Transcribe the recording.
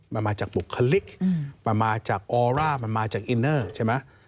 มันมาจากบุคลิกมันมาจากออร่ามันมาจากอินเนอร์ใช่ไหม